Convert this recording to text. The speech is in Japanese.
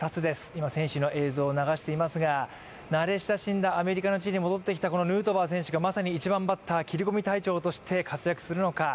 今、選手の映像を流していますが、慣れ親しんだアメリカの地に戻ってきたヌートバー選手がまさに１番バッター、切り込み隊長として活躍するのか。